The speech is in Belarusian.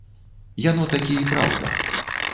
Яно такі і праўда.